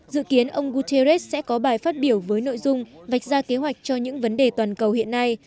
dự kiến ông guterres sẽ có bài phát biểu với nội dung vạch ra kế hoạch cho những vấn đề toàn cầu hiện nay